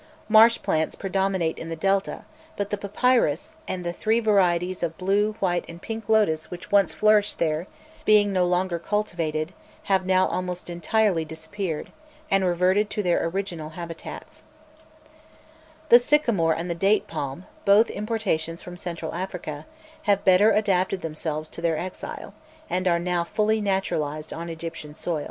Marsh plants predominate in the Delta; but the papyrus, and the three varieties of blue, white, and pink lotus which once flourished there, being no longer cultivated, have now almost entirely disappeared, and reverted to their original habitats. [Illustration: 036.jpg ENTRANCE OF THE MUDÎRIYEH OF ASYÛT.] The sycamore and the date palm, both importations from Central Africa, have better adapted themselves to their exile, and are now fully naturalized on Egyptian soil. [Illustration: 037.